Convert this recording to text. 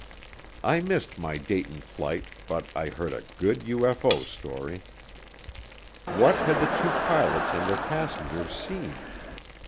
I missed my Dayton flight but I heard a good UFO story. What had the two pilots and their passenger seen?